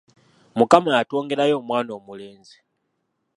Mukama yatwongerayo omwana omulenzi.